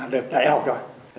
được đại học rồi